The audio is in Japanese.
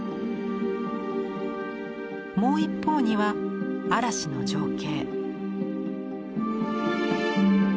もう一方には嵐の情景。